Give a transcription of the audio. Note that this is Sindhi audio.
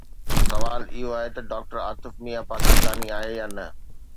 سوال اهو آهي ته ڊاڪٽر عاطف ميان پاڪستاني آهي يا نه؟